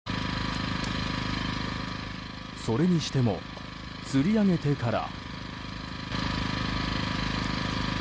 それにしても釣り上げてから。